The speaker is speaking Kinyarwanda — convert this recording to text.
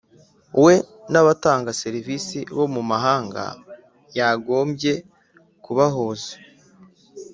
We n’abatanga serivisi bo mu mahanga yagombye kubahuza